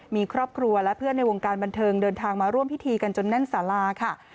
มีครอบครัวและเพื่อนในวงการบันเทิงเดินทางมาร่วมพิธีกันจนแน่นสาราค่ะ